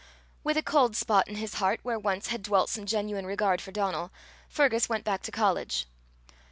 With a cold spot in his heart where once had dwelt some genuine regard for Donal, Fergus went back to college.